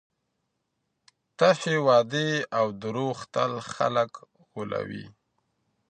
تشې وعدې او دروغ تل خلګ غولوي.